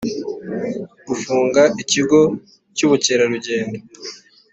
gufunga ikigo cy ubukerarugendo